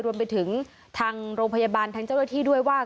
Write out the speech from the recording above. รวมไปถึงทางโรงพยาบาลทางเจ้าหน้าที่ด้วยว่า